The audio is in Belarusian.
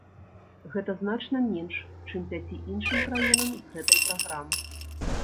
Гэта значна менш, чым пяці іншым краінам з гэтай праграмы.